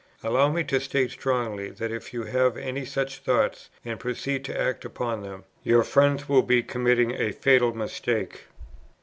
Allow me to state strongly, that if you have any such thoughts, and proceed to act upon them, your friends will be committing a fatal mistake.